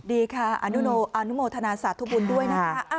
ดีค่ะอนุโมทนาสาธุบุญด้วยนะคะ